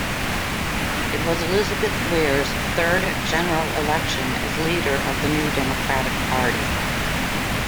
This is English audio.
It was Elizabeth Weir's third general election as leader of the New Democratic Party.